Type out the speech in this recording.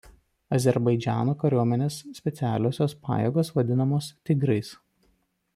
Azerbaidžano kariuomenės specialiosios pajėgos vadinamos „Tigrais“.